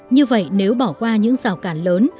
như vậy nếu bỏ qua những rào cản lớn